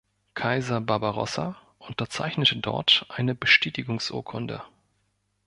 Kaiser Barbarossa unterzeichnete dort eine Bestätigungsurkunde.